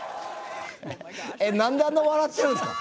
何であんな笑ってるんですか？